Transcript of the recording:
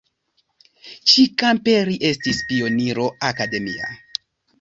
Ĉi-kampe li estis pioniro akademia.